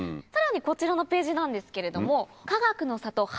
さらにこちらのページなんですけれどもかがくの里